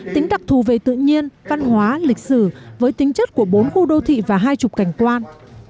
tính đặc thù về tự nhiên văn hóa lịch sử với tính chất của bốn khu đô thị và hai mươi cảnh quan